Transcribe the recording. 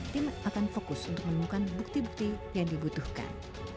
tim akan fokus untuk menemukan bukti bukti yang dibutuhkan